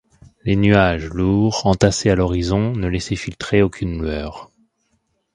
Les nuages, lourds, entassés à l’horizon, ne laissaient filtrer aucune lueur.